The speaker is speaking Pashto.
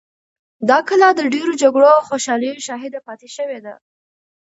دا کلا د ډېرو جګړو او خوشحالیو شاهده پاتې شوې ده.